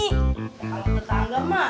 kalau tetangga ma